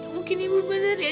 mungkin ibu bener ya